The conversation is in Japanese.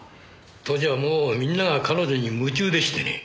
当時はもうみんなが彼女に夢中でしてね。